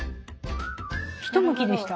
ひとむきでした。